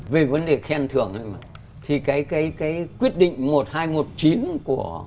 về vấn đề khen thưởng thì cái quyết định một nghìn hai trăm một mươi chín của